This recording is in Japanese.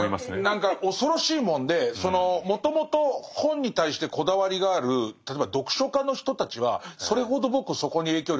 何か恐ろしいもんでもともと本に対してこだわりがある例えば読書家の人たちはそれほど僕そこに影響力はないと思うんです。